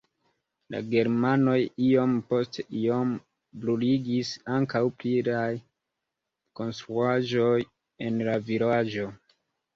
La germanoj iom post iom bruligis ankaŭ pliaj konstruaĵoj en la vilaĝo.